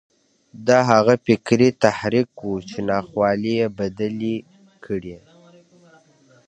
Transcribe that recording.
دا هغه فکري تحرک و چې ناخوالې يې بدلې کړې.